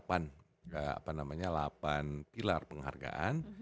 apa namanya delapan pilar penghargaan